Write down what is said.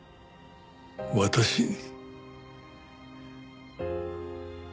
私に。